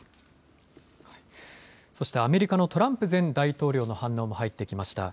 そして、アメリカのトランプ前大統領の反応も入ってきました。